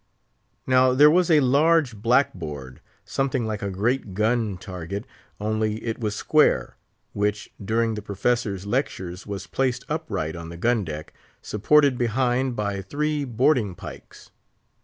Now there was a large black board, something like a great gun target—only it was square—which during the professor's lectures was placed upright on the gun deck, supported behind by three boarding pikes.